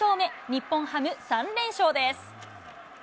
日本ハム、３連勝です。